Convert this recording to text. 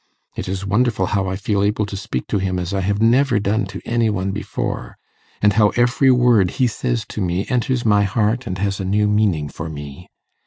It is wonderful how I feel able to speak to him as I never have done to any one before; and how every word he says to me enters my heart and has a new meaning for me.